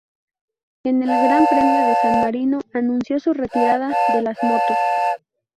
En el Gran Premio de San Marino anunció su retirada de las motos.